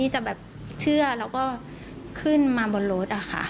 จะเชื่อและขึ้นมาบนรถอะค่ะ